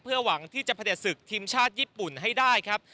เพื่อหวังที่จะประเด็นศึกทีมชาติญี่ปุ่นให้ได้ครับ